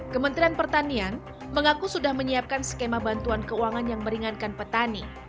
kementerian pertanian mengaku sudah menyiapkan skema bantuan keuangan yang meringankan petani